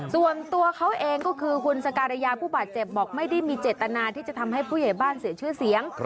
ส่วนตัวเขาเองก็คือคุณสการยาผู้บาดเจ็บบอกไม่ได้มีเจตนาที่จะทำให้ผู้ใหญ่บ้านเสียชื่อเสียง